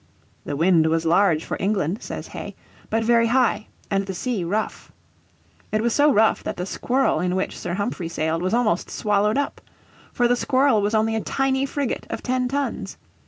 "The wind was large for England," says Hay, "but very high, and the sea, rough." It was so rough that the Squirrel in which Sir Humphrey sailed was almost swallowed up. For the Squirrel was only a tiny frigate of ten tons.